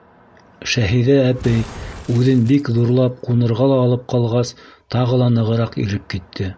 Шәһиҙә әбей, үҙен бик ҙурлап ҡунырға ла алып ҡалғас, тағы ла нығыраҡ иреп китте: